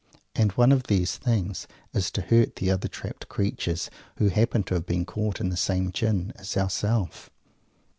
And one of these things is to hurt the other trapped creatures who happen to have been caught in the same "gin" as ourself.